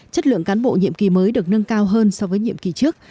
chất lượng cán bộ nhiệm kỳ mới được nâng cao hơn so với nhiệm kỳ trước